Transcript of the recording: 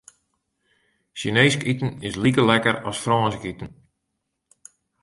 Sjineesk iten is like lekker as Frânsk iten.